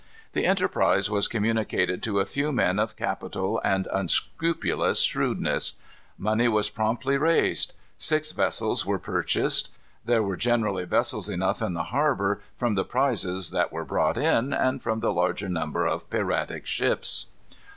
The enterprise was communicated to a few men of capital and unscrupulous shrewdness. Money was promptly raised. Six vessels were purchased. There were generally vessels enough in the harbor, from the prizes that were brought in, and from the large number of piratic ships.